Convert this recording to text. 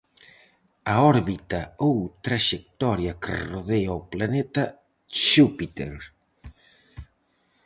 A órbita ou traxectoria que rodea ó planeta Xúpiter.